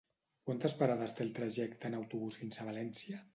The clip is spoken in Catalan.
Quantes parades té el trajecte en autobús fins a València?